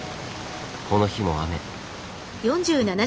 この日も雨。